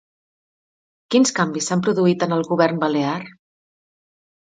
Quins canvis s'han produït en el Govern balear?